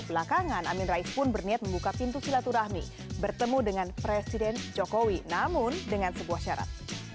belakangan amin rais pun berniat membuka pintu silaturahmi bertemu dengan presiden jokowi namun dengan sebuah syarat